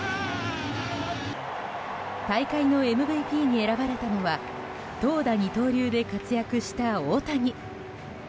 大会のＭＶＰに選ばれたのは投打二刀流で活躍した大谷。